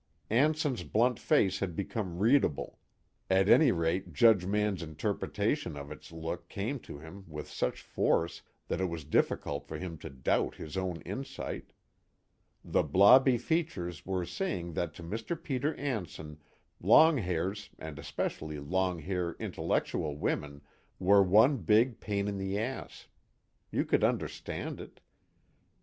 Anson's blunt face had become readable; at any rate Judge Mann's interpretation of its look came to him with such force that it was difficult for him to doubt his own insight: the blobby features were saying that to Mr. Peter Anson long hairs and especially long hair intellectual women were one big pain in the ass. You could understand it.